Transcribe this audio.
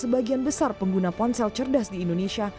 sebagian besar pengguna ponsel cerdas di indonesia